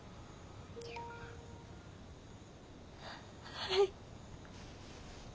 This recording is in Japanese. はい。